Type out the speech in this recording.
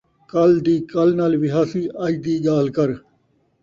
کل دی کل نال وہاسی ، اڄ دی ڳالھ کر